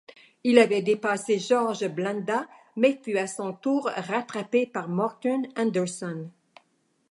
Il avait dépassé George Blanda mais fut à son tour rattrapé par Morten Andersen.